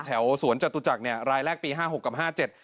แถวสวนจัตุจักรรายแรกปี๕๖กับ๕๗